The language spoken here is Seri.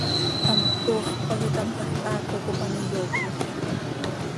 Hamt cooxp pac itámlajc, haaco cop an iyoocmolca.